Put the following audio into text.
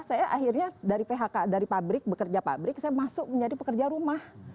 saya akhirnya dari phk dari pabrik bekerja pabrik saya masuk menjadi pekerja rumah